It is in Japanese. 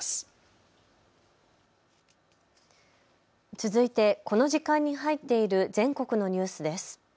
続いてこの時間に入っている全国のニュースです。